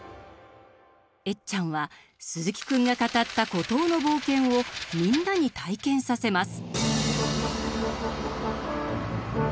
エッちゃんはスズキくんが語った孤島の冒険をみんなに体験させます。